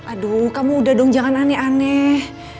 aduh kamu udah dong jangan aneh aneh